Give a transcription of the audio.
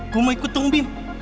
gue mau ikut dong bin